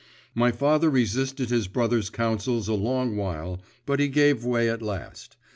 My father resisted his brother's counsels a long while, but he gave way at last.